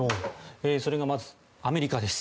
それがまず、アメリカです。